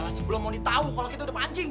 elah sebelum mau ditau kalo kita udah pancing